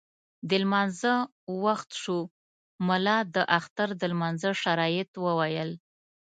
د لمانځه وخت شو، ملا د اختر د لمانځه شرایط وویل.